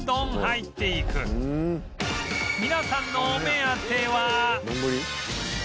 皆さんのお目当ては丼？